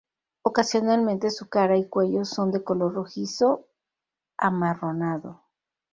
Ocasionalmente su cara y cuello son de color rojizo-amarronado.